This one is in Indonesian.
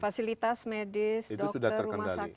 fasilitas medis dokter rumah sakit sudah enggak masalah